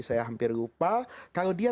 saya hampir lupa kalau dia